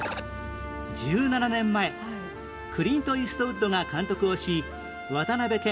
１７年前クリント・イーストウッドが監督をし渡辺謙